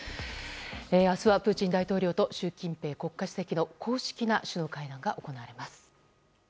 明日はプーチン大統領と習近平国家主席の公式な首脳会談が行われます。